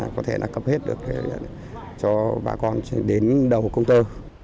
có thể cấp hết được cho ba con đến đầu công tơ